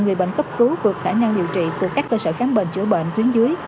người bệnh cấp cứu vượt khả năng điều trị của các cơ sở khám bệnh chữa bệnh tuyến dưới